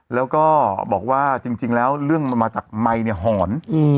แล้วก็บอกว่าจริงแล้วเรื่องมันมาจากไมค์เนี่ยหอน